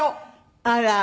あら。